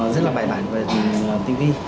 rất là bài bản về tình vi